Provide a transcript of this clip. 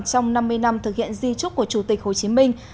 trong năm mươi năm thực hiện di trúc của chủ tịch hồ chí minh